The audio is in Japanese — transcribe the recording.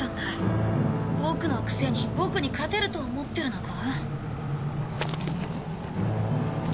ボクのくせにボクに勝てると思ってるのか？